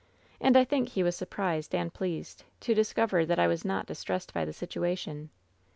And I think he was surprised and pleased to discover that I was not distressed by the situation.